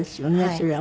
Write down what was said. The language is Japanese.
それは。